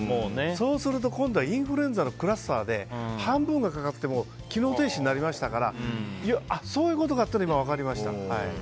そうすると、今度はインフルエンザのクラスターで半分がかかって機能停止になりましたからそういうことだったのかって今、分かりました。